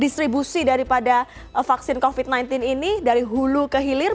distribusi daripada vaksin covid sembilan belas ini dari hulu ke hilir